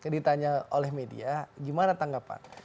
ditanya oleh media gimana tanggapan